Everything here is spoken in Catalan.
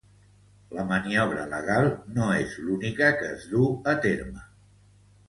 La maniobra legal no és l'única que es du a terme.